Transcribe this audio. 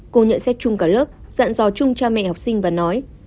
cô nhận xét chung cả lớp dặn dò chung cha mẹ học sinh và nói